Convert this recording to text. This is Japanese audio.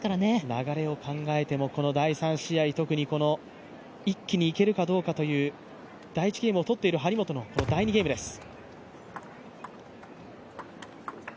流れを考えても、この第３試合、一気にいけるかどうかという第１ゲームを取っている張本の第２ゲームです。